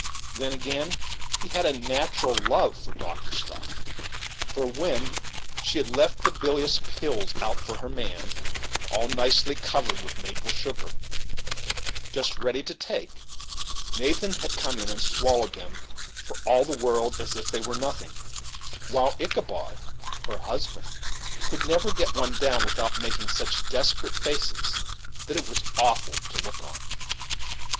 Then again he had a natural love for doctor stuff, for when she had left the bilious pills out for her man, all nicely covered with maple sugar just ready to take, Nathan had come in and swallowed them for all the world as if they were nothing, while Ichabod (her husband) could never get one down without making such desperate faces that it was awful to look on."